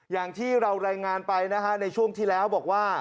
อย่างที่เรารายงานไปนะฮะในช่วงที่แล้วบอกว่า